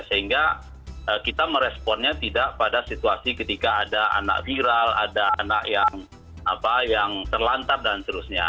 sehingga kita meresponnya tidak pada situasi ketika ada anak viral ada anak yang terlantar dan seterusnya